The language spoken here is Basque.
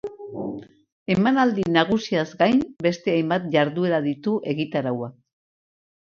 Emanaldi nagusiaz gain, beste hainbat jarduera ditu egitarauak.